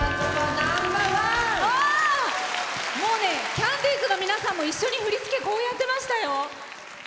キャンディーズの皆さんも一緒に振り付けやってましたよ。